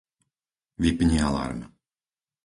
Vypni alarm.